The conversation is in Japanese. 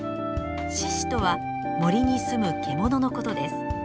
「しし」とは森にすむ獣のことです。